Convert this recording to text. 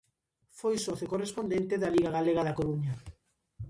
Foi socio correspondente da Liga Galega da Coruña.